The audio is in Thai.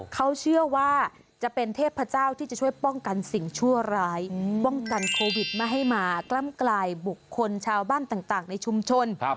เขาเชื่อว่าจะเป็นเทพเจ้าที่จะช่วยป้องกันสิ่งชั่วร้ายป้องกันโควิดไม่ให้มากล้ำกลายบุคคลชาวบ้านต่างในชุมชน